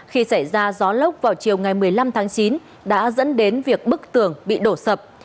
khi xảy ra gió lốc vào chiều ngày một mươi năm tháng chín đã dẫn đến việc bức tường bị đổ sập